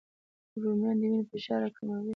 رومیان د وینې فشار راکموي